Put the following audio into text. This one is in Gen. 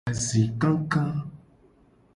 Azi kaka.